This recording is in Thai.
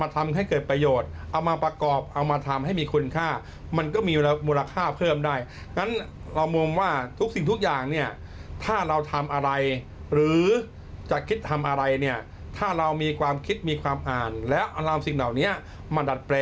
ทำกุญด้วยครับใช่ครับ